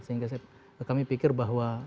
sehingga kami pikir bahwa